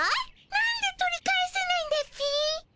なんで取り返せないんだっピ？